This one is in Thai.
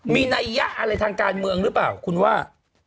มีนัยยะอะไรทางการเมืองหรือเปล่าคุณว่า